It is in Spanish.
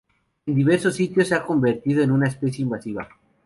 En diversos sitios se ha convertido en una especie invasiva.